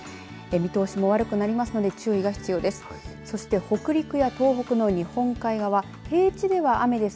見通しも悪くなりますので注意が必要です。